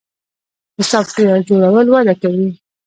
د سافټویر جوړول وده کوي